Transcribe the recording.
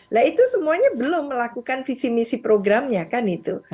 nah itu semuanya belum melakukan visi misi programnya kan itu